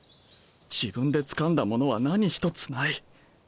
自分でつかんだものは何ひとつない。